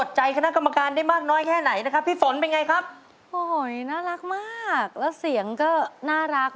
สุดเยอะมาเลยครับ